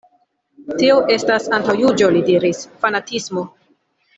Tio estas antaŭjuĝo li diris, fanatismo.